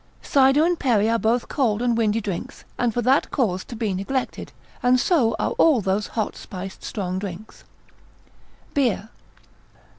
_] Cider and perry are both cold and windy drinks, and for that cause to be neglected, and so are all those hot spiced strong drinks. Beer.